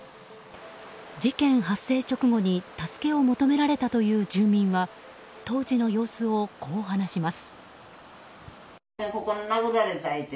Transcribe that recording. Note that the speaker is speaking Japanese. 事件発生直後に助けを求められたという住民は当時の様子をこう話します。